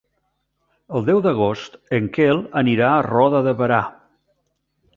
El deu d'agost en Quel anirà a Roda de Berà.